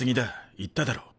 言っただろ。